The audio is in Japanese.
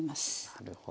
なるほど。